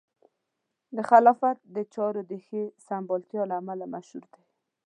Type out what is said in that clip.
د خلافت د چارو د ښې سمبالتیا له امله مشهور دی.